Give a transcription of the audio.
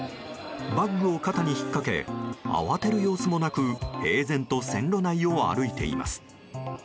バッグを肩に引っ掛け慌てる様子もなく平然と線路内を歩いています。